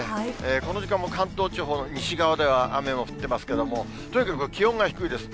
この時間も関東地方の西側では雨も降ってますけれども、とにかく気温が低いです。